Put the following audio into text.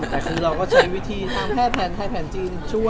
แต่คือเราก็ใช้วิธีแผนไทยแผนจีนช่วย